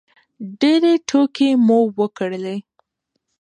ډېرې ټوکې مو وکړلې.